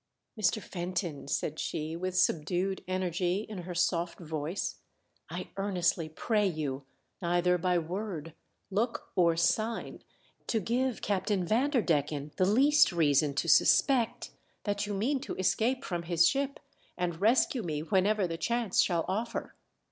"Mr. Fenton," said she, with subdued energy in her soft voice, " I earnestly pray you, neither by word, look or sign to give Captain Vanderdecken the least reason to suspect that you mean to escape from his ship and rescue me whenever the chance shall WE SIGHT A SHIP. 23 I offer.